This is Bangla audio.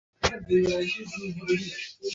আমি একটু আগেভাগেই চলে গিয়েছিলাম।